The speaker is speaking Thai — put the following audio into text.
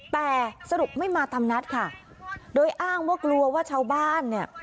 แต่สรุปไม่มาทำนัดค่ะโดยอ้างว่ากลัวว่าชาวบ้านเนี่ย